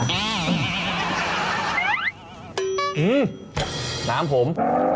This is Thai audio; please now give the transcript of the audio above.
อืมน้ำผม